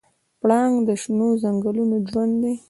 پړانګ د شنو ځنګلونو ژوندی دی.